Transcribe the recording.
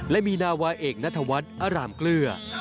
และมีนาวาเอกนัธวรรษอร่ามเกลือ